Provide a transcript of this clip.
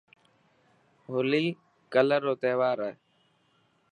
هولي ڪلر رو تهوار هي.